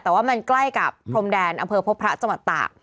แต่ว่ามันใกล้กับพรมแดนอำเภอพบพระจังหวัดตาก